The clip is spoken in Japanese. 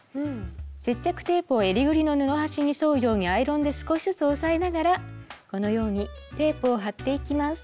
接着テープを襟ぐりの布端に沿うようにアイロンで少しずつ押さえながらこのようにテープを貼っていきます。